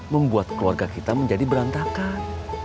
membuat keluarga kita menjadi berantakan